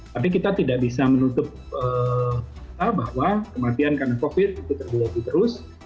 tapi kita tidak bisa menutup bahwa kematian karena covid itu terjadi terus